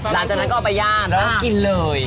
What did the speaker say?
ร้านจากนั้นก็เอาไปย่างให้มากินเลย